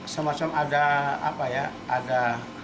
semacam ada apa ya ada